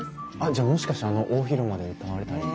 じゃあもしかしてあの大広間で歌われたりも？